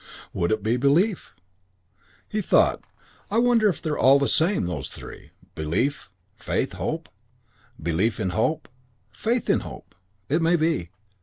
Would it be belief?" He thought, "I wonder if they're all the same, those three belief, faith, hope? Belief in hope. Faith in hope. It may be.